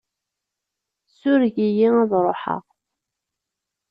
Sureg-iyi ad ṛuḥeɣ.